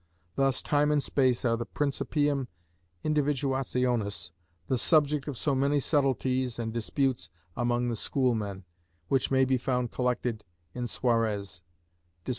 Thus time and space are the principium individuationis, the subject of so many subtleties and disputes among the schoolmen, which may be found collected in Suarez (Disp.